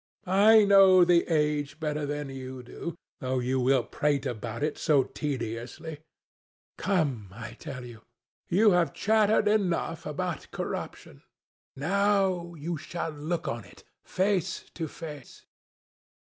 I know the age better than you do, though you will prate about it so tediously. Come, I tell you. You have chattered enough about corruption. Now you shall look on it face to face."